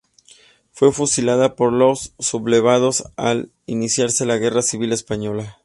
Fue fusilado por los sublevados al iniciarse la Guerra Civil Española.